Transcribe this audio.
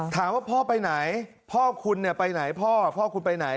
ถามว่าพ่อไปไหนพ่อคุณไปไหนพ่อพ่อคุณไปไหน